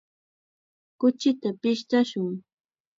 Kuchita pishtashun.